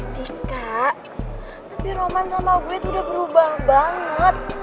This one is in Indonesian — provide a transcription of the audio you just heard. tika tapi roman sama gue tuh udah berubah banget